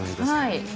はい。